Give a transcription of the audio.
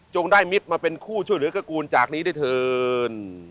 ได้มิตรมาเป็นคู่ช่วยเหลือตระกูลจากนี้ได้เถิน